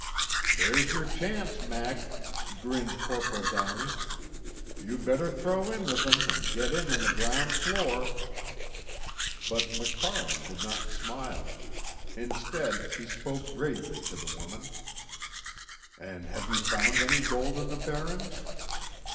"There's your chance, Mac," grinned Corporal Downey, "You better throw in with 'em an' get in on the ground floor." But MacFarlane did not smile. Instead, he spoke gravely to the woman: "An' have you found any gold in the barrens?"